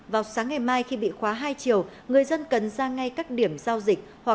vào sáng ngày mai khi bị khóa hai triệu người dân cần ra ngay các điểm giao dịch hoặc